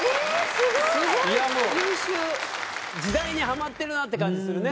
すごい優秀時代にハマってるなって感じするね